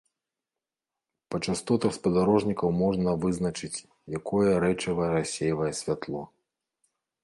Па частотах спадарожнікаў можна вызначаць, якое рэчыва рассейвае святло.